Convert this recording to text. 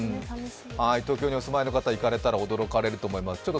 東京にお住まいの方、行かれたら驚かれると思います。